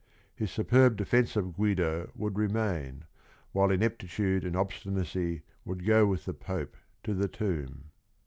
His sup£ih__defence of Guido would re main, while ineptitude and obstinacy would go with the Pope to the tomb.